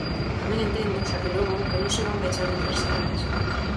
Tamén entendo, xa que logo, que non se van pechar universidades.